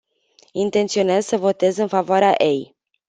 Intenționez să votez în favoarea ei.